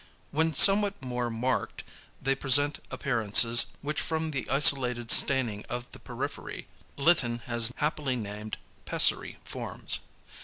When somewhat more marked, they present appearances which from the isolated staining of the periphery Litten has happily named "pessary" forms.